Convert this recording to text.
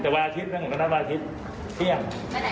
แต่วันอาทิตย์นั้นผมก็นัดวันอาทิตย์เที่ยง